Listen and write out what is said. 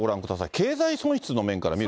経済損失の面から見ると。